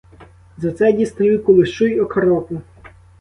За це дістаю кулешу й окропу.